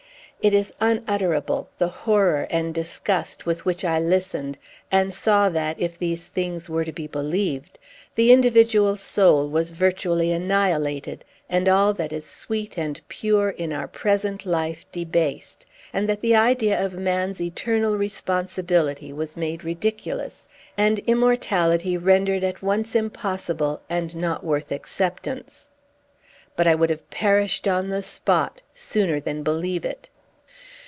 It is unutterable, the horror and disgust with which I listened, and saw that, if these things were to be believed, the individual soul was virtually annihilated, and all that is sweet and pure in our present life debased, and that the idea of man's eternal responsibility was made ridiculous, and immortality rendered at once impossible, and not worth acceptance. But I would have perished on the spot sooner than believe it.